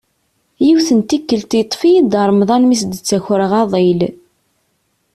Yiwet n tikelt yeṭṭef-iyi Dda Remḍan mi s-d-ttakreɣ aḍil.